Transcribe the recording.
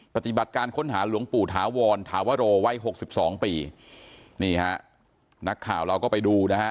ปฏิบัติการค้นหาหลวงปู่ถาวรถาวโรวัยหกสิบสองปีนี่ฮะนักข่าวเราก็ไปดูนะฮะ